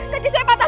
kaki saya patah